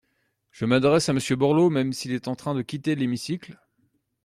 Je m’adresse à Monsieur Borloo, même s’il est en train de quitter l’hémicycle.